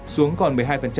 xuống còn một mươi hai